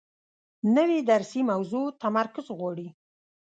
نوې درسي موضوع تمرکز غواړي